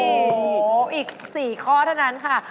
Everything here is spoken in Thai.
อีก๔ข้อเท่านั้นค่ะ